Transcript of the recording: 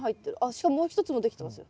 しかももう一つもできてますよ。